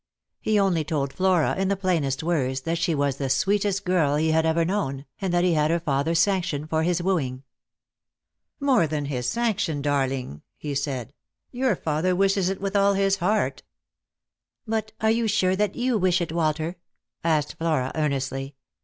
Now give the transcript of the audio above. He only told Flora in the plainest words that she was the sweetest girl he had ever known, and that he had her father's sanction for his wooing. "More than his sanction, darling," he said; "your father wishes it with all his heart." "But are you sure that you wish it, Walter?" asked Flora earnestly.